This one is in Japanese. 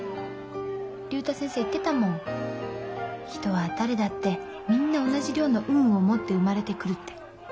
竜太先生言ってたもん人は誰だってみんな同じ量の運を持って生まれてくるって。